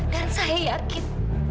dan saya yakin